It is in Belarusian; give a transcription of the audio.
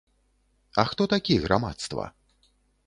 А хто такі грамадства?